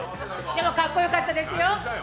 でもかっこよかったですよ。